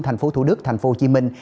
thành phố thủ đức thành phố hồ chí minh